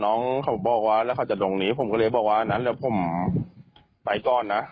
น้องเขาบอกว่าแล้วเขาจะตรงนี้ผมก็เลยบอกว่างั้นเดี๋ยวผมไปก่อนนะ